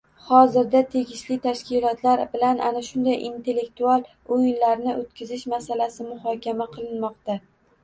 Hozirda tegishli tashkilotlar bilan ana shunday intellektual oʻyinlarni oʻtkazish masalasi muhokama qilinmoqda.